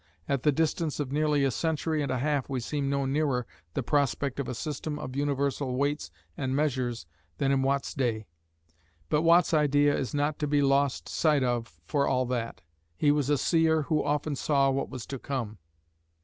at the distance of nearly a century and a half we seem no nearer the prospect of a system of universal weights and measures than in Watt's day, but Watt's idea is not to be lost sight of for all that. He was a seer who often saw what was to come.